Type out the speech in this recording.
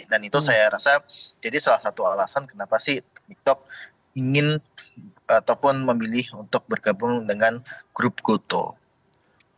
dan itu saya rasa jadi salah satu alasan kenapa sih tiktok ingin ataupun memilih untuk bergabung dengan grup gotoh